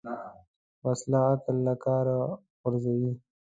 وسله عقل له کاره غورځوي